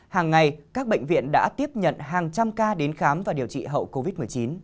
hàng ngày các bệnh viện đã tiếp nhận hàng trăm ca đến khám và điều trị hậu covid một mươi chín